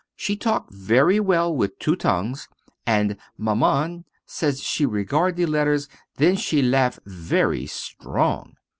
She talk very well with two tongues, and Maman say she regard the letters then she laugh very strong.